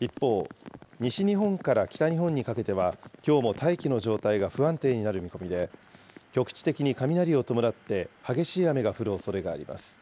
一方、西日本から北日本にかけては、きょうも大気の状態が不安定になる見込みで、局地的に雷を伴って激しい雨が降るおそれがあります。